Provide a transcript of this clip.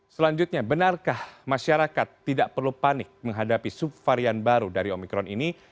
selanjutnya benarkah masyarakat tidak perlu panik menghadapi subvarian baru dari omikron ini